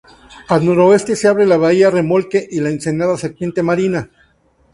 Al noroeste se abre la bahía Remolque y la ensenada Serpiente Marina.